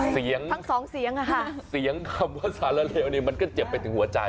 เสียงทั้งสองเสียงอะค่ะเสียงคำว่าสาระเลวเนี่ยมันก็เจ็บไปถึงหัวใจ